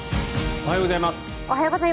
おはようございます。